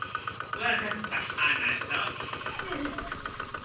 わかった話そう。